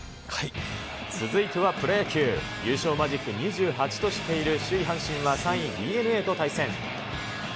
続いてはプロ野球、優勝マジック２８としている首位阪神は、３位ＤｅＮＡと対戦。